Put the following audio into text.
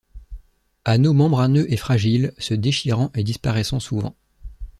Anneau membraneux et fragile, se déchirant et disparaissant souvent.